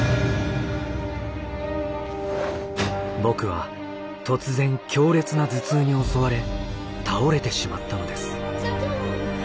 僕は突然強烈な頭痛に襲われ倒れてしまったのです。